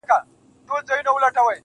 هغه خو ما د خپل زړگي په وينو خـپـله كړله